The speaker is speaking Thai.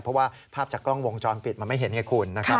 เพราะว่าภาพจากกล้องวงจรปิดมันไม่เห็นไงคุณนะครับ